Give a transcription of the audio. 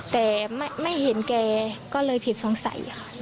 แต่ไม่เห็นแกก็เลยผิดสงสัยค่ะ